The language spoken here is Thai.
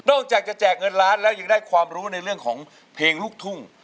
จากจะแจกเงินล้านแล้วยังได้ความรู้ในเรื่องของเพลงลูกทุ่ง